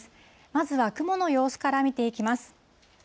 まずは雲の様子から見ていきます。